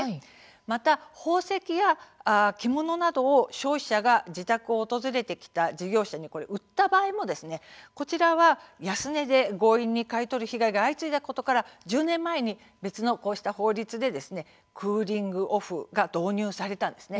また宝石や着物などを消費者が自宅を訪れてきた事業者に売った場合もこちらは安値で強引に買い取る被害が相次いだことから１０年前に別の法律でクーリング・オフが導入されたんです。